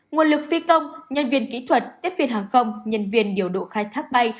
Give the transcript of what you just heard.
nguồn lực phi công nhân viên kỹ thuật tiếp viên hàng không nhân viên điều độ khai thác bay